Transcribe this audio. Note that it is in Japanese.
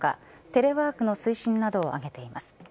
テレワークの推進などを挙げています。